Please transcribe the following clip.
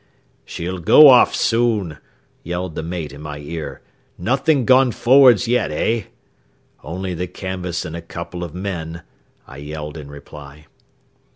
"She'll go off soon," yelled the mate in my ear. "Nothin' gone forrads yet, hey?" "Only the canvas and a couple of men," I yelled in reply.